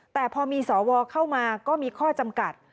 แต่พอมีสวเข้ามาก็มีข้อจำกัด